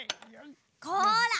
こら！